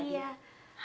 nanti aku nunggu